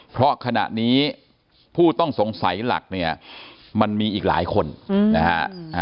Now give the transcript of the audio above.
เพราะขณะนี้ผู้ต้องสงสัยหลักเนี่ยมันมีอีกหลายคนนะฮะ